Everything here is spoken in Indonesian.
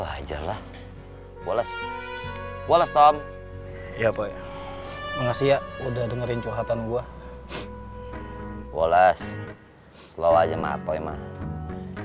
wajarlah bolas bolas tom ya pak makasih ya udah dengerin cuatan gua bolas lo aja mapo emang